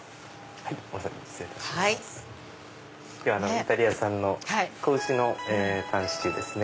イタリア産の仔牛のタンシチューですね。